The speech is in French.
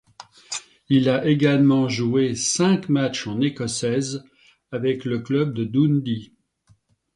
Il a également joué cinq matchs en écossaise avec le club de Dundee.